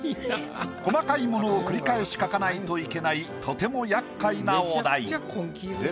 細かいものを繰り返し描かないといけないとても厄介なお題。